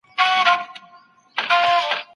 زه کرار درنیژدې کېږم